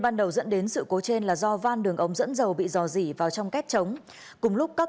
ban đầu dẫn đến sự cố trên là do van đường ống dẫn dầu bị dò dỉ vào trong kết trống cùng lúc các